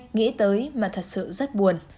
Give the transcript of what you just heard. nghĩ tới mà thật sự rất buồn